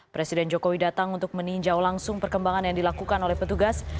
presiden jokowi datang untuk meninjau langsung perkembangan yang dilakukan oleh petugas